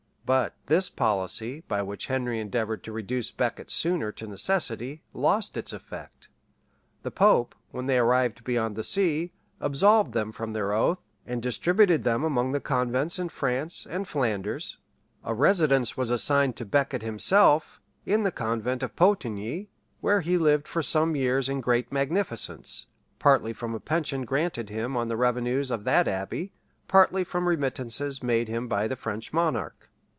But this policy, by which Henry endeavored to reduce Becket sooner to necessity, lost its effect; the pope, when they arrived beyond sea, absolved them from their oath, and distributed them among the convents in Franc? and Flanders; a residence was assigned to Becket himself, in the convent of Pontigny, where he lived for some years in great magnificence, partly from a pension granted him on the revenues of that abbey, partly from remittances made him by the French monarch.